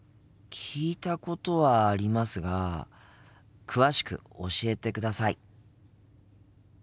聞いたことはありますが詳しく教えてください。